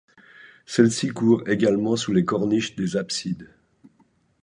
Celles-ci courent également sous les corniches des absides.